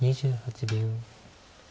２８秒。